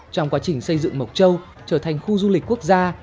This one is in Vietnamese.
trong quá trình xây dựng mộc châu trở thành khu du lịch quốc gia